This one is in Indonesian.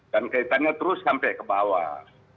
dan kaitannya terus sampai ke bawah